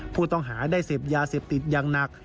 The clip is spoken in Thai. ผู้ต้องหาได้เสพยาเสพติดอย่างหนัก